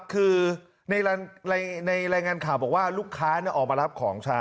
คือในรายงานข่าวบอกว่าลูกค้าออกมารับของชา